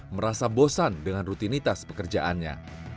merasa bosan dengan rutinitas pekerjaannya